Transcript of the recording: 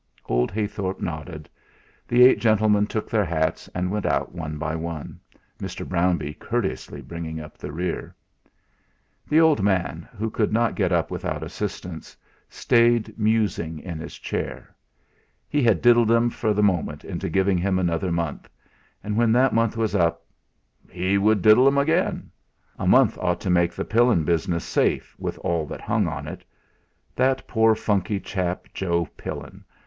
Old Heythorp nodded. The eight gentlemen took their hats, and went out one by one, Mr. Brownbee courteously bringing up the rear. The old man, who could not get up without assistance, stayed musing in his chair. He had diddled 'em for the moment into giving him another month, and when that month was up he would diddle 'em again! A month ought to make the Pillin business safe, with all that hung on it. That poor funkey chap Joe Pillin!